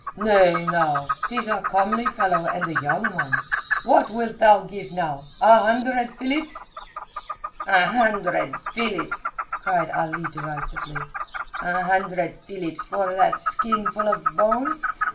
"Nay, now. 'Tis a comely fellow and a young one. What wilt thou give, now? a hundred philips?" "A hundred philips!" cried Ali derisively. "A hundred philips for that skinful of bones!